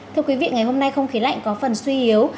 thưa quý vị ngày hôm nay không khí lạnh có phần suy yếu